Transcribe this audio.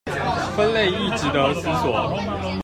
分類亦値得思索